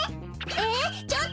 えっ！